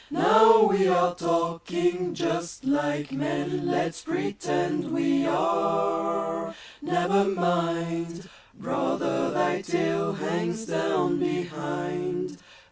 Now we are talking just like men! Let's pretend we are ... never mind, Brother, thy tail hangs down behind!